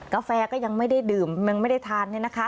กาแฟก็ยังไม่ได้ดื่มยังไม่ได้ทาน